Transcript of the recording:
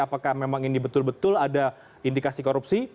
apakah memang ini betul betul ada indikasi korupsi